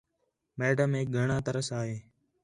میڈمیک گھݨاں ترس آ ہے